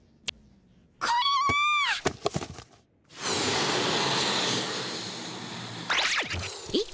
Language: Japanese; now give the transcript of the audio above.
これは！えっ？